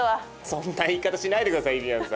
そんな言い方しないで下さいゆりやんさん。